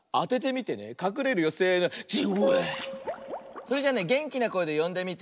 それじゃあねげんきなこえでよんでみて。